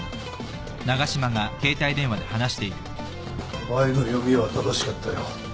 お前の読みは正しかったよ。